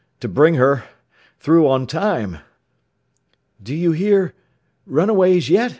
to bring her ... through on time! "Do you hear ... runaways yet?" "No."